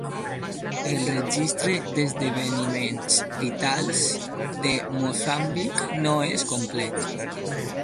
El registre d'esdeveniments vitals de Moçambic no és complet.